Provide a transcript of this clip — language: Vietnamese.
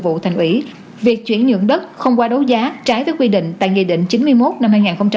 vụ thành ủy việc chuyển nhượng đất không qua đấu giá trái tới quy định tại nghị định chín mươi một năm